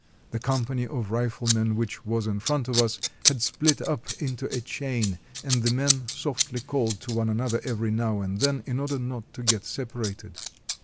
The company of riflemen, which was in front of us, had spHt up into a chain, and the men softly called to one another every now and then in order not to get separated.